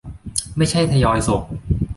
ไม่ใช่ทยอยส่ง